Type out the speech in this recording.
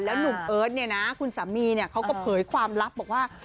แล้วหนุ่มเอิ้นเนี่ยนะคุณสามีเนี่ยเขาก็เผยความลับบอกว่า